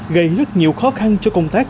gây rất nhiều khó khăn cho công tác